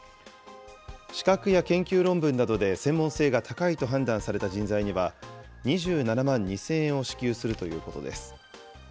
資格や研究論文などで専門性が高いと判断された人材には２７万２０００円を支給するということです。